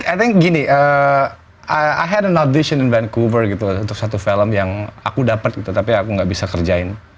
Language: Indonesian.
i think gini i had an audition in vancouver gitu satu film yang aku dapat gitu tapi aku enggak bisa kerjain